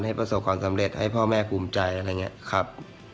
ประสบความสำเร็จให้พ่อแม่ภูมิใจอะไรอย่างนี้ครับ